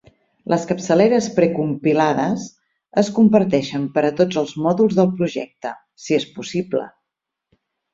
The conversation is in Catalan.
Les capçaleres precompilades es comparteixen per a tots els mòduls del projecte, si és possible.